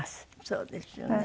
そうですよね。